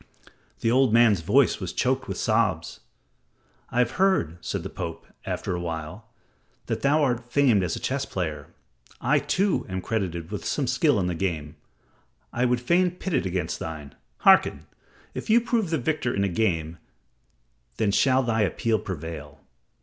The old man's voice was choked with sobs. "I have heard," said the Pope, after a while, "that thou art famed as a chess player. I, too, am credited with some skill in the game. I would fain pit it against thine. Hearken! If thou prove the victor in the game, then shall thy appeal prevail."